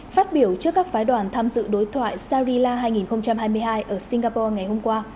phát biểu trước các phái đoàn tham dự đối thoại shari la hai nghìn hai mươi hai ở singapore ngày hôm qua